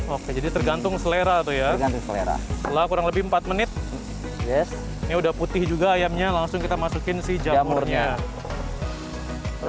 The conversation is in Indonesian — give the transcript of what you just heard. oke jadi tergantung selera tuh ya selera setelah kurang lebih empat menit ini udah putih juga ayamnya langsung kita masukin si jamurnya